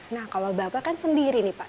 nah kalau bapak kan sendiri nih pak